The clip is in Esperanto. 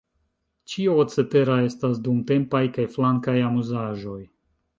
Ĉio cetera estas dumtempaj kaj flankaj amuzaĵoj.